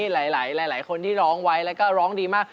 หลายคนที่ร้องไว้แล้วก็ร้องดีมาก